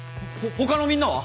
ほ他のみんなは？